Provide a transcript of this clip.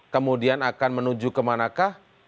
kemudian akan menuju ke manakah